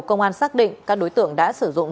công an xác định các đối tượng đã sử dụng